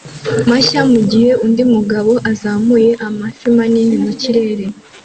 mashya mugihe undi mugabo azamuye amafi manini mu kirere